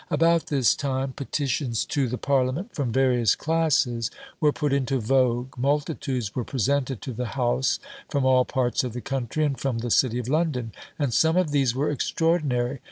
About this time "petitions" to the parliament from various classes were put into vogue; multitudes were presented to the House from all parts of the country, and from the city of London; and some of these were extraordinary.